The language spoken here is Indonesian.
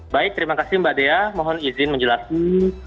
baik terima kasih mbak dea mohon izin menjelaskan